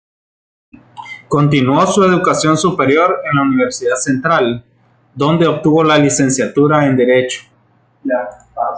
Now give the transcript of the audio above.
Continuó su educación superior en la Universidad Central, donde obtuvo la licenciatura en Derecho.